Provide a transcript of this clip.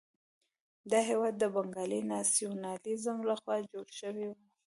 دا هېواد د بنګالي ناسیونالېزم لخوا جوړ شوی وو.